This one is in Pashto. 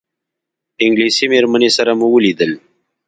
انګلیسي مېرمنې سره مو ولیدل.